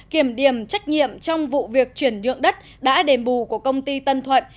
kiểm điểm trách nhiệm trong vụ việc chuyển nhượng đất đã đền bù của công ty tân thuận